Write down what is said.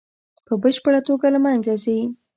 په بشپړه توګه له منځه ځي.